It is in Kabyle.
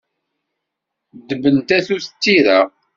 Ddeb n tatut d tira.